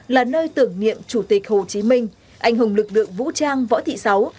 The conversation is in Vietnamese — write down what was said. là nơi tưởng niệm chủ tịch hồ chí minh anh hùng lực lượng vũ trang võ thị sáu